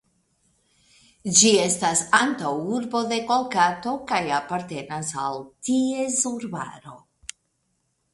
Ĝi estas antaŭurbo de Kolkato kaj apartenas al ties urbaro.